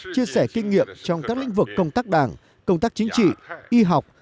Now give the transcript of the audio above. chia sẻ kinh nghiệm trong các lĩnh vực công tác đảng công tác chính trị y học